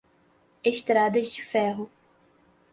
estradas de ferro